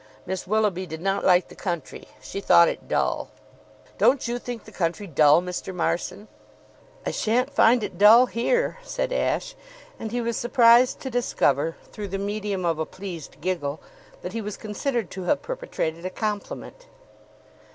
Miss Willoughby did not like the country. She thought it dull. "Don't you think the country dull, Mr. Marson?" "I shan't find it dull here," said Ashe; and he was surprised to discover, through the medium of a pleased giggle, that he was considered to have perpetrated a compliment.